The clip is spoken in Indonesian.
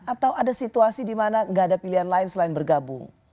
atau ada situasi dimana tidak ada pilihan lain selain bergabung